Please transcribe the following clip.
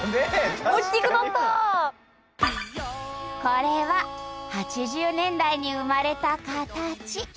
これは８０年代に生まれたカタチ。